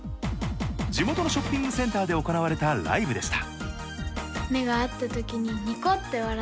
地元のショッピングセンターで行われたライブでした。